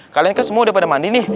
kalian kan semua udah pada mandi nih